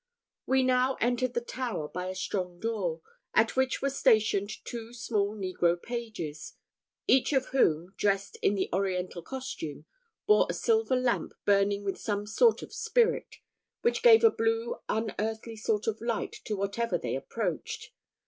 We now entered the tower by a strong door, at which were stationed two small negro pages, each of whom, dressed in the Oriental costume, bore a silver lamp burning with some sort of spirit, which gave a blue unearthly sort of light to whatever they approached.